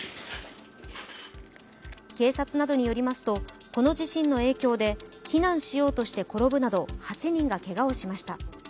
警察などによりますと、この地震の影響で避難しようとして転ぶなど８人がけがをしました。